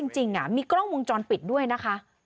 จริงมีกล้องวงจรปิดด้วยนะคะ